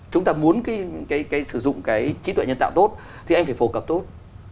chúng ta muốn sử dụng cái trí tuệ nhân tạo tốt thì anh phải phổ cập tốt